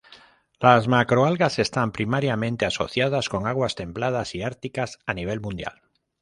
Las macroalgas están primariamente asociadas con aguas templadas y árticas a nivel mundial.